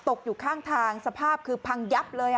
ตกอยู่ข้างทางสภาพคือพังยับเลย